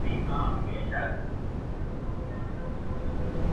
• تر څنګ د زورورو زړه ور مه کښېنه متل دی,